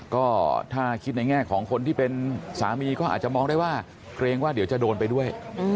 ก็ถ้าคิดในแง่ของคนที่เป็นสามีก็อาจจะมองได้ว่าเกรงว่าเดี๋ยวจะโดนไปด้วย